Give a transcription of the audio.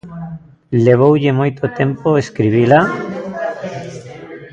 Levoulle moito tempo escribila?